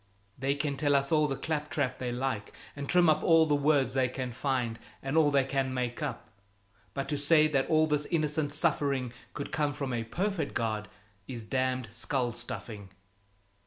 They can tell us all the clap trap they like, and trim up all the words they can find and all they can make up, but to say that all this innocent suffering could come from a perfect God, it's damned skull stuffing."